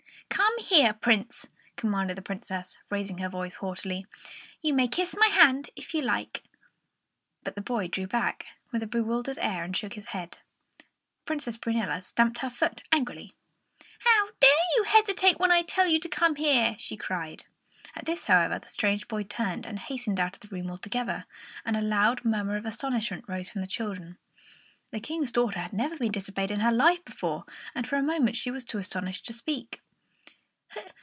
"Come here, Prince," commanded the Princess, raising her voice haughtily; "you may kiss my hand if you like." But the boy drew back with a bewildered air and shook his head. Princess Prunella stamped her foot angrily. "How dare you hesitate when I tell you to come here?" she cried. At this, however, the strange boy turned and hastened out of the room altogether; and a loud murmur of astonishment rose from the children. The King's daughter had never been disobeyed in her life before, and for a moment she was too astonished to speak.